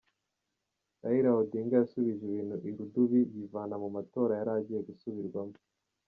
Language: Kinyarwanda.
Raila Odinga yasubije ibintu irudubi yivana mu matora yari agiye gusubirwamo